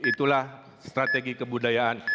itulah strategi kebudayaan